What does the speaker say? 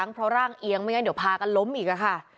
เพราะร่างเอียงไม่งั้นเดี๋ยวพากันล้มอีกค่ะ